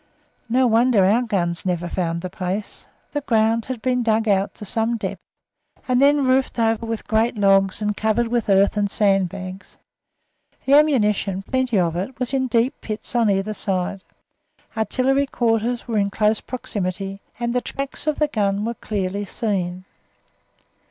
No wonder our guns never found the place. The ground had been dug out to some depth and then roofed over with great logs and covered with earth and sandbags; the ammunition plenty of it was in deep pits on either side; artillery quarters were in close proximity, and the tracks of the gun were clearly seen.